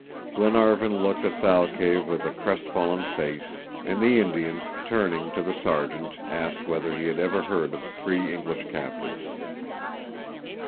Glenarvan looked at Thalcave with a crestfallen face, and the Indian, turning to the Sergeant, asked whether he had never heard of three English captives.